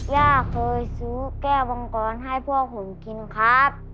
ย่าเคยซื้อแก้วมังกรให้พวกผมกินครับ